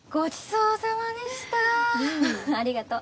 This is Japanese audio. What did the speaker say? うんありがとう。